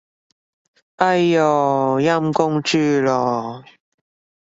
哎唷，陰公豬咯